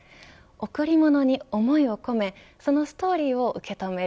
贈り物に思いを込めそのストーリーを受けとめる。